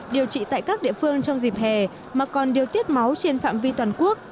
điều trị tại các địa phương trong dịp hè mà còn điều tiết máu trên phạm vi toàn quốc